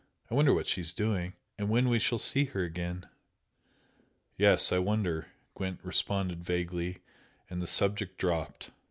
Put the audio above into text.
I wonder what she's doing, and when we shall see her again?" "Yes I wonder!" Gwent responded vaguely, and the subject dropped.